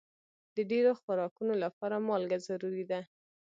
د ډېرو خوراکونو لپاره مالګه ضروري ده.